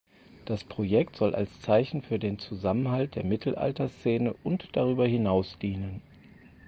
Das Projekt soll als Zeichen für den Zusammenhalt der Mittelalterszene und darüber hinaus dienen.